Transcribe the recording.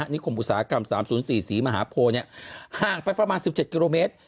นิคมอุตสาหกรรม๓๐๔ศรีมหาโพห่างไปประมาณ๑๗กิโลเมตร